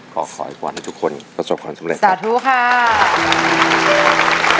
ก็ขออภวรให้ทุกคนประสบความสำเร็จนะครับสวัสดีค่ะสวัสดีค่ะ